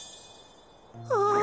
ああ！